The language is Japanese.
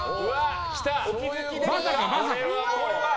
まさか、まさか？